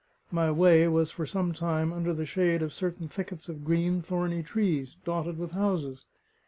My way was for some time under the shade of certain thickets of green, thorny trees, dotted with houses.